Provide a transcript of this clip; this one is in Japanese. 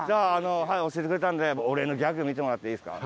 教えてくれたんでお礼のギャグ見てもらっていいですか？